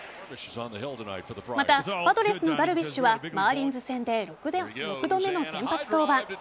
また、パドレスのダルビッシュはマーリンズ戦で６度目の先発登板。